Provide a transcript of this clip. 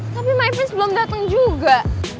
tapi my friends belum dateng juga